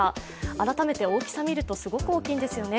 改めて大きさを見ると、すごく大きいんですよね。